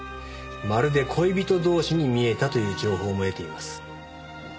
まるで恋人同士に見えたという情報も得ています。